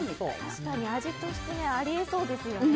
確かに味としてあり得そうですね。